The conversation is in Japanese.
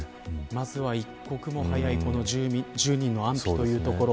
まずは一刻も早い１０人の安否というところ。